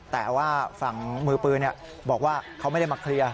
แต่ว่าฝั่งมือปืนบอกว่าเขาไม่ได้มาเคลียร์